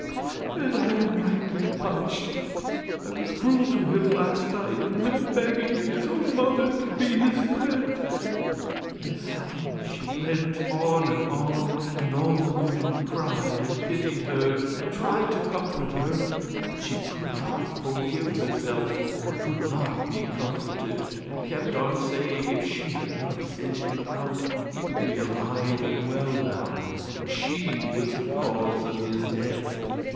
And I am rightly punished; I was cruel to him last night, and him begging me, his own mother, to be his friend." And so she went on and on, and all the women cried, and pitied her, and tried to comfort her, but she could not forgive herself and could not be comforted, and kept on saying if she had not sent him out he would be alive and well now, and she was the cause of his death.